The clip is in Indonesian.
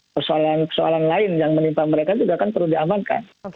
persoalan persoalan lain yang menimpa mereka juga kan perlu diamankan